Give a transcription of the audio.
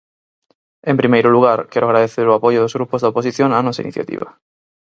En primeiro lugar, quero agradecer o apoio dos grupos da oposición á nosa iniciativa.